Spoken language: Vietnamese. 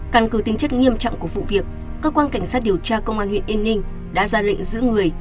căn cứ tính chất nghiêm trọng của vụ việc cơ quan cảnh sát điều tra công an huyện yên ninh đã ra lệnh giữ người